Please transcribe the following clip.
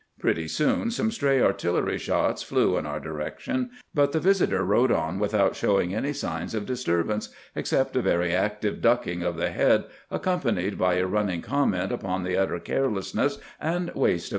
Pretty soon some stray artillery shots flew in our direc tion, but the visitor rode on without showing any signs of disturbance, except a very active ducking of the head, accompanied by a running comment upon the utter carelessness and waste of.